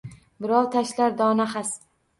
Birov tashlar dona xas.